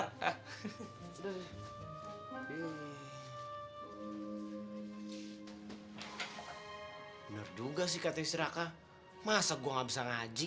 benar juga sih kata istri raka masa gue gak bisa ngaji